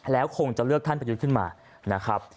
แล้วคงจะเลือกท่านประยุทธ์ขึ้นมานะครับ